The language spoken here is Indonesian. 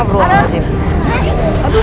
aku sudah punya rencana